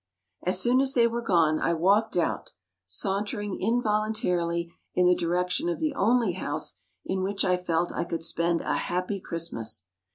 As soon as they were gone, I walked out, sauntering involuntarily in the direction of the only house in which I felt I could spend a "happy" Christmas.